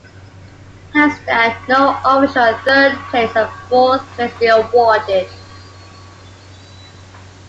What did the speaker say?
Hence, there were no official third place and fourth place being awarded.